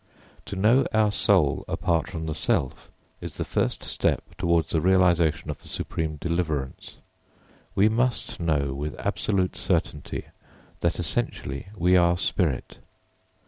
To know our soul apart from the self is the first step towards the realisation of the supreme deliverance. We must know with absolute certainty that essentially we are spirit.